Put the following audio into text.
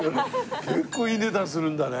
結構いい値段するんだね。